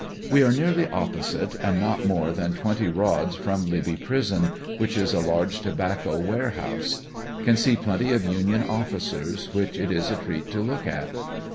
We are nearly opposite and not more than twenty rods from Libby Prison, which is a large tobacco ware house Can see plenty of union officers, which it is a treat to look at.